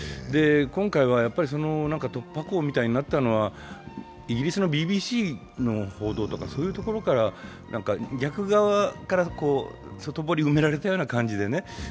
今回は突破口みたいになったのはイギリスのＢＢＣの報道とか何かそういうところから、逆側から外堀を埋められたような感じでね。